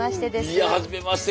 いやはじめまして。